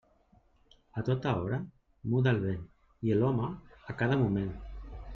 A tota hora muda el vent, i l'home a cada moment.